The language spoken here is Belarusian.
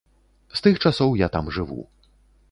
З тых часоў я там жыву.